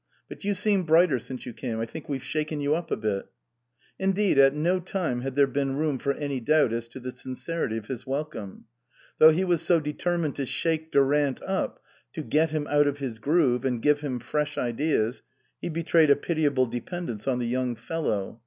But you seem brighter since you came. I think we've shaken you up a bit." Indeed, at 110 time had there been room for any doubt as to the sincerity of his welcome. Though he was so determined to shake Durant up, to get him out of his groove, and give him fresh ideas, he betrayed a pitiable dependence on the young fellow.